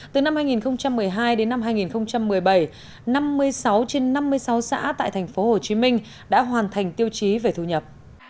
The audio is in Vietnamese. từ năm hai nghìn một mươi hai đến năm hai nghìn một mươi bảy năm mươi sáu trên năm mươi sáu xã tại tp hcm đã hoàn thành tiêu chí về thu nhập